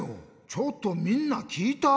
ちょっとみんなきいた？